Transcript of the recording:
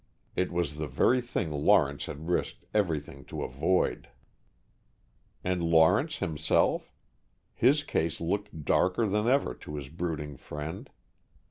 It was the very thing Lawrence had risked everything to avoid. And Lawrence himself? His case looked darker than ever to his brooding friend.